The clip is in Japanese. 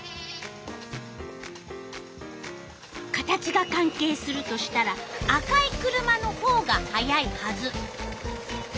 形が関係するとしたら赤い車のほうが速いはず。